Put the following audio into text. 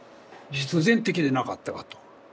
必然的でなかったかと。